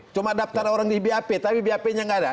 cuma daftar orang di bap tapi bap nya nggak ada